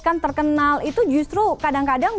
kan terkenal itu justru kadang kadang